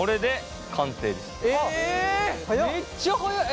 めっちゃ早い！